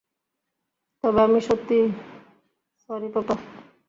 তবে আমি সত্যি সরি পাপা।